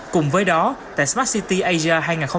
cùng với đó tại smart city asia hai nghìn hai mươi